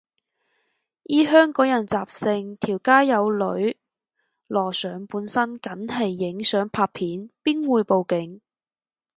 依香港人習性，條街有女露上半身梗係影相拍片，邊會報警